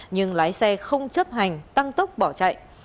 nhưng lái xe không chấp hành tăng tốc bỏ chạy